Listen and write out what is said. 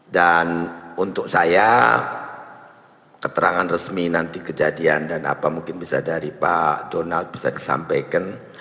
dan untuk saya keterangan resmi nanti kejadian dan apa mungkin bisa dari pak donald bisa disampaikan